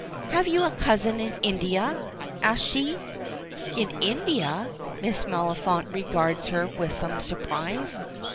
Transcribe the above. "Have you a cousin in India?" asks she. "In India?" Miss Maliphant regards her with some surprise.